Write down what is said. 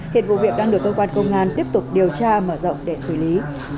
hiện vụ việc đang được cơ quan công an tiếp tục điều tra mở rộng để xử lý